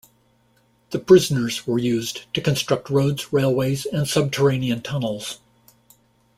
The prisoners were used to construct roads, railways and subterranean tunnels.